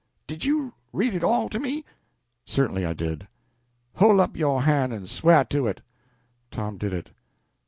"Did you read it all to me?" "Certainly I did." "Hole up yo' han' en swah to it." Tom did it.